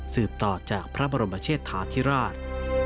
ต่อจากพระบรมเชษฐาธิราช